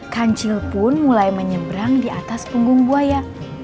kancil pun mulai menyeberang di atas punggung buaya